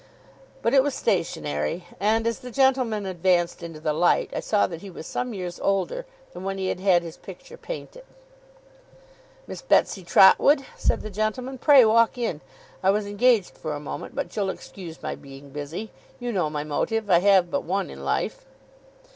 But it was stationary; and as the gentleman advanced into the light, I saw that he was some years older than when he had had his picture painted. 'Miss Betsey Trotwood,' said the gentleman, 'pray walk in. I was engaged for a moment, but you'll excuse my being busy. You know my motive. I have but one in life.